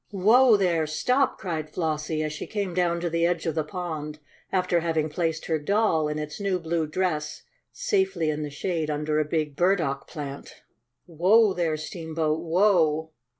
"Whoa, there! Stop!" cried Flossie, as she came down to the edge of the pond, after having placed her doll, in its new blue dress, safely in the shade under a big burdock plant. "Whoa, there, steamboat! Whoa!"